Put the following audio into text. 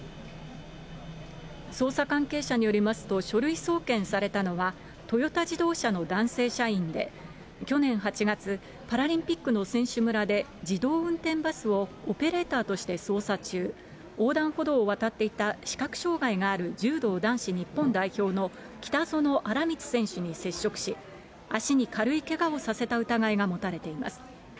捜査関係者によりますと、書類送検されたのは、トヨタ自動車の男性社員で、去年８月、パラリンピックの選手村で、自動運転バスをオペレーターとして操作中、横断歩道を渡っていた視覚障害がある柔道男子日本代表の北薗新光選手に接触し、足に軽いけがをさせた疑いが持たれています。